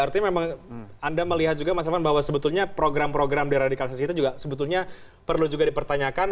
artinya memang anda melihat juga mas elvan bahwa sebetulnya program program deradikalisasi kita juga sebetulnya perlu juga dipertanyakan